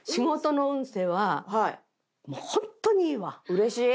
うれしい！